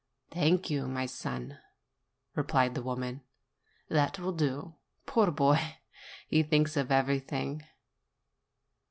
Thanks, my son !" replied the woman. "That will do. Poor boy ! he thinks of everything."